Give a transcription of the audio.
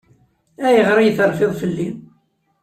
Ayɣer ay terfiḍ fell-i?